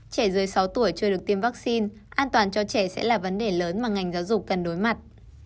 trẻ dưới sáu tuổi chưa được tiêm vaccine an toàn cho trẻ sẽ là vấn đề lớn mà ngành giáo dục cần đối mặt